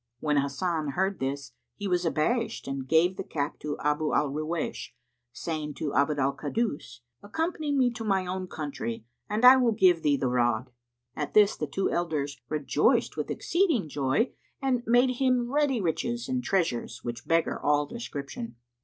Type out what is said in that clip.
When Hasan heard this he was abashed and gave the cap to Abu al Ruwaysh, saying to Abd al Kaddus, "Accompany me to my own country and I will give thee the rod." At this the two elders rejoiced with exceeding joy and made him ready riches and treasures which beggar all description.